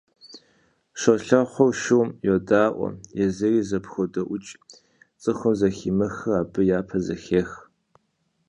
Щолэхъур шум йодаӀуэ, езыри зэпходэӏукӏ; цӀыхум зэхимыхыр абы япэ зэхех.